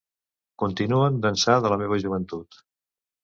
Continuen d'ençà de la meva joventut.